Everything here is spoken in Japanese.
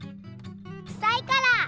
くさいから！